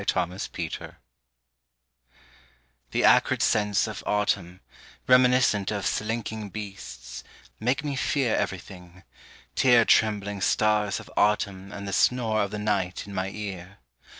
DOLOR OF AUTUMN THE acrid scents of autumn, Reminiscent of slinking beasts, make me fear Everything, tear trembling stars of autumn And the snore of the night in my ear.